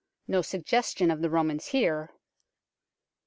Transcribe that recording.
No suggestion of the Romans here.